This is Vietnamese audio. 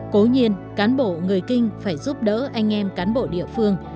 cố nhiên cán bộ người kinh phải giúp đỡ anh em cán bộ địa phương